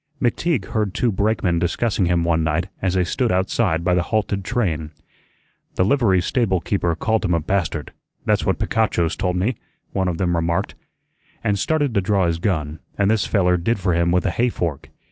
McTeague heard two brakemen discussing him one night as they stood outside by the halted train. "The livery stable keeper called him a bastard; that's what Picachos told me," one of them remarked, "and started to draw his gun; an' this fellar did for him with a hayfork.